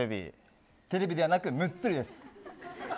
テレビではなくムッツリです。